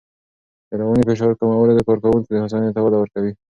د رواني فشار کمول د کارکوونکو هوساینې ته وده ورکوي.